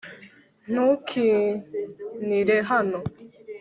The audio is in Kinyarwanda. ntukinire hano